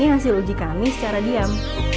hasil uji kami secara diam